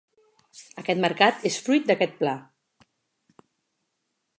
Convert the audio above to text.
Aquest mercat és fruit d'aquest pla.